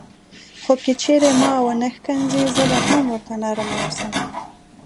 خو که چیرې ما ونه ښکنځي زه به هم ورته نرم اوسم.